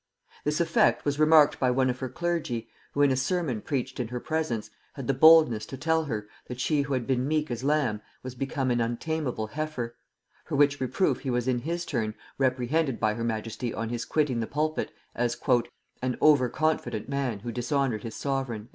This effect was remarked by one of her clergy, who, in a sermon preached in her presence, had the boldness to tell her, that she who had been meek as lamb was become an untameable heifer; for which reproof he was in his turn reprehended by her majesty on his quitting the pulpit, as "an over confident man who dishonored his sovereign."